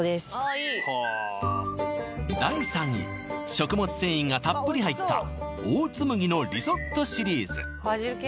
第３位食物繊維がたっぷり入ったオーツ麦のリゾットシリーズ